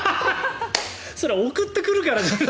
それは送ってくるから。